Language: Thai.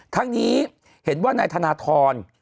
ทั้งนี้เห็นว่านายธนทร